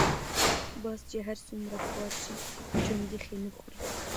باز چی هر څومره خوار شی چونګښی نه خوري .